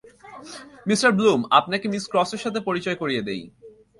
Mr Bloom, আপনাকে মিস ক্রসের সাথে পরিচয় করিয়ে দেই।